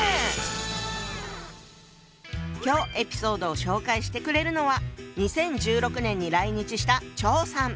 今日エピソードを紹介してくれるのは２０１６年に来日した張さん。